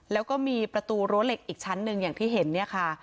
แล้วก็มีประตูรั้วเหล็กอีกชั้นหนึ่งอย่างที่เห็นเนี่ยค่ะ